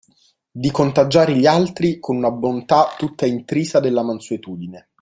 Di contagiare gli altri con una bontà tutta intrisa della mansuetudine